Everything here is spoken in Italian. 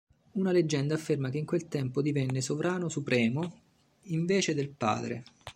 Una leggenda afferma che in quel tempo divenne sovrano supremo in vece del padre.